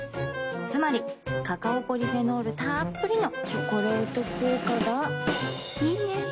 つまりカカオポリフェノールたっぷりの「チョコレート効果」がいいね。